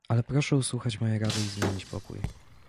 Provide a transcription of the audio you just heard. "Ale proszę usłuchać mojej rady i zmienić pokój."